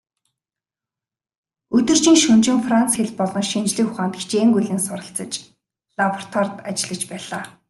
Өдөржин шөнөжин Франц хэл болон шинжлэх ухаанд хичээнгүйлэн суралцаж, лабораторид ажиллаж байлаа.